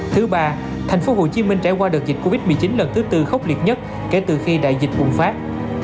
thứ ba thành phố hồ chí minh trải qua đợt dịch covid một mươi chín lần thứ tư khốc liệt nhất kể từ khi đại dịch bùng phát